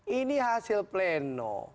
ini hasil pleno